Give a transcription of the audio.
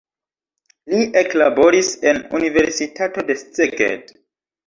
Li eklaboris en universitato de Szeged.